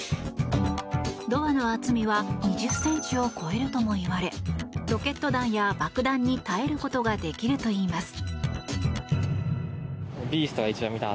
ドアの厚みは２０ｃｍを超えるともいわれロケット弾や爆弾に耐えることができるといいます。